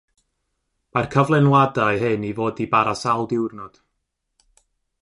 Mae'r cyflenwadau hyn i fod i bara sawl diwrnod.